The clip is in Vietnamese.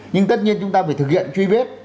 nhưng tất nhiên chúng ta phải thực hiện truy vết